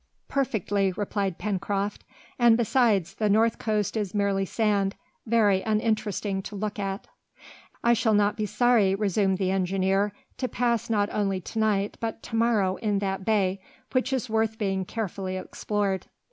"Perfectly," replied Pencroft, "and besides, the north coast is merely sand, very uninteresting to look at." "I shall not be sorry," resumed the engineer, "to pass not only to night but to morrow in that bay, which is worth being carefully explored."